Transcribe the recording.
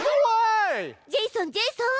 ジェイソンジェイソン！